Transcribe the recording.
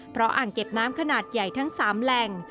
เพราะอ่างเก็บน้ำขนาดใหญ่ทั้ง๓แหล่ง